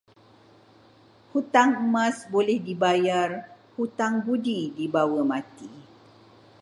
Hutang emas boleh dibayar, hutang budi dibawa mati.